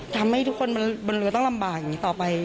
ทำให้ทุกคนบนเรือต้องลำบากอย่างนี้ต่อไป